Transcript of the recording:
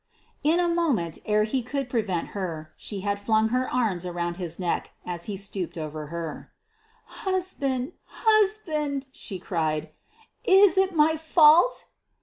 In a moment, ere he could prevent her, she had flung her arms around his neck as he stooped over her. "Husband! husband!" she cried, "is it my fault?"